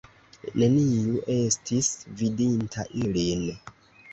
Neniu estis vidinta ilin.